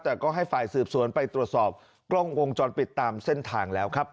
แต่ก็ให้ฝ่ายสืบสวนไปตรวจสอบกล้องวงจรปิดตามเส้นทางแล้วครับ